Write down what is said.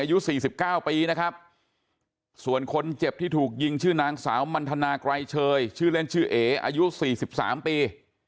อายุ๔๙ปีนะครับส่วนคนเจ็บที่ถูกยิงชื่อนางสาวมันทนาไกรเชยชื่อเล่นชื่อเออายุ๔๓ปี